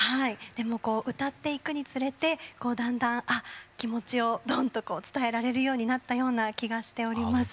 でもこう歌っていくにつれてだんだん気持ちをどんと伝えられるようになったような気がしております。